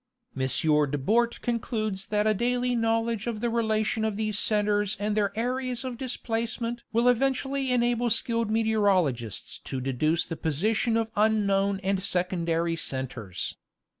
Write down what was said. M. de Bort concludes that a daily knowledge of the relation of these centres and their areas of dis placement will eventually enable skilled meteorologists to deduce the position of unknown and secondary centres.